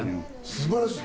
素晴らしい！